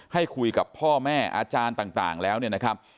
ให้คุยกับพ่อแม่อาจารย์ต่างแล้วเนี่ยนะครับ